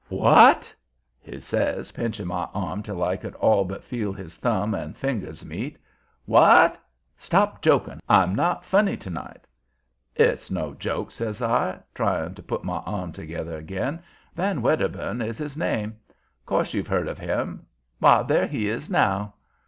"WHAT?" he says, pinching my arm till I could all but feel his thumb and finger meet. "What? Stop joking. I'm not funny to night." "It's no joke," says I, trying to put my arm together again. "Van Wedderburn is his name. 'Course you've heard of him. Why! there he is now."